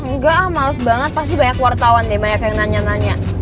enggak ah males banget pasti banyak wartawan deh banyak yang nanya nanya